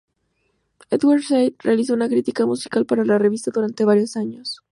Edward Said realizó una crítica musical para la revista durantes varios años.